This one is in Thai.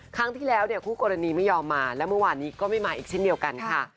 ครั้งที่แล้วเนี่ยคู่กรณีไม่ยอมมาและเมื่อวานนี้ก็ไม่มาอีกเช่นเดียวกันค่ะ